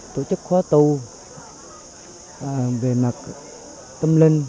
tổ chức khóa tu về mặt tâm linh